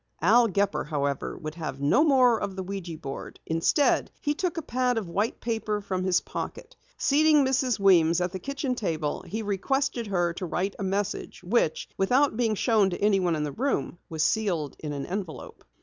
Al Gepper, however, would have no more of the ouija board. Instead, he took a pad of white paper from his pocket. Seating Mrs. Weems at the kitchen table he requested her to write a message, which, without being shown to anyone in the room, was sealed in an envelope.